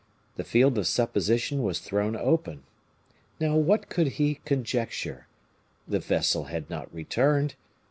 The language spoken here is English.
The field of supposition was thrown open. Now, what could he conjecture? The vessel had not returned.